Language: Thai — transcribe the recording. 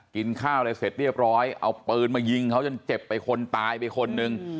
กินข้าวอะไรเสร็จเรียบร้อยเอาปืนมายิงเขาจนเจ็บไปคนตายไปคนนึง